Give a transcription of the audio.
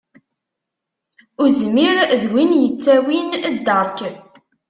Uzmir d win yittawin ddeṛk.